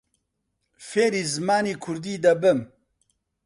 فێری زمانی کوردی دەبم.